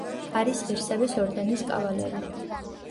არის ღირსების ორდენის კავალერი.